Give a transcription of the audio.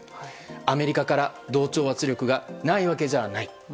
アメリカから同調圧力がないわけではない。